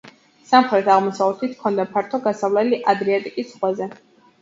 სამხრეთ-აღმოსავლეთით ჰქონდა ფართო გასავლელი ადრიატიკის ზღვაზე.